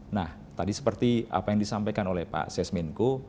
nah tadi seperti apa yang disampaikan oleh pak sesmenko